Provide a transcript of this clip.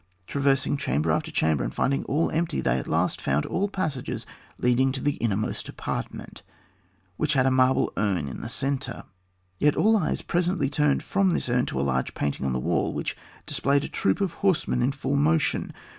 Traversing chamber after chamber and finding all empty, they at last found all passages leading to the inmost apartment, which had a marble urn in the centre. Yet all eyes presently turned from this urn to a large painting on the wall which displayed a troop of horsemen in full motion.